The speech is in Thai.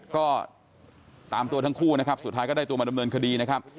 ก็ตามตัวทั้งคู่นะครับสุดท้ายก็ได้ตัวมาดำเนินคดีนะครับ